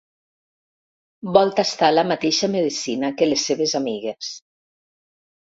Vol tastar la mateixa medecina que les seves amigues.